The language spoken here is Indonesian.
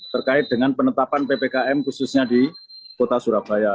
terkait dengan penetapan ppkm khususnya di kota surabaya